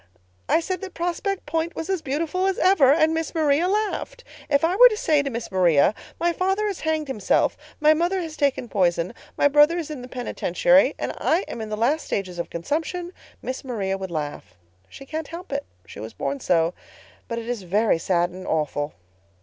I said that Prospect Point was as beautiful as ever—and Miss Maria laughed. If I were to say to Miss Maria, 'My father has hanged himself, my mother has taken poison, my brother is in the penitentiary, and I am in the last stages of consumption,' Miss Maria would laugh. She can't help it—she was born so; but is very sad and awful.